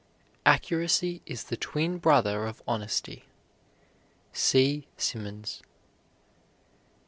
Accuracy is the twin brother of honesty. C. SIMMONS.